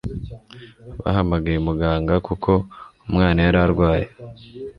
Bahamagaye muganga kuko umwana yari arwaye.